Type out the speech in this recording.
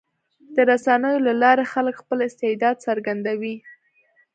د رسنیو له لارې خلک خپل استعداد څرګندوي.